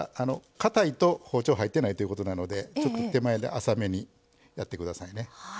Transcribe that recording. かたいと包丁入ってないということなのでちょっと手前で浅めにやってくださいね。